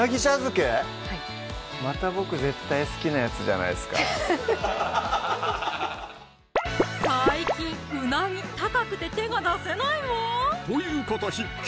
またボク絶対好きなやつじゃないですか最近うなぎ高くて手が出せないわという方必見！